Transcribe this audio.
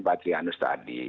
pak adrianus tadi